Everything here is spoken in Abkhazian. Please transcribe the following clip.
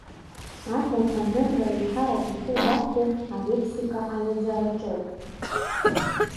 Аҭырқәа нырра еиҳарак иахьубарҭоу алексика аҩаӡараҿоуп…